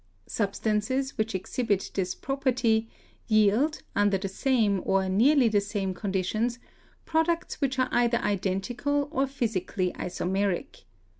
Substances [which ex hibit this property] yield, under the same or nearly the same conditions, products which are either identical or physically isomeric.